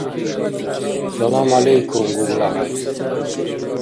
Салам гӀялайкум, ГуглахӀяй!